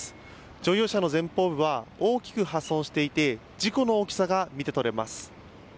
乗用車の前方部は大きく破損していて事故の大きさが見て取れます。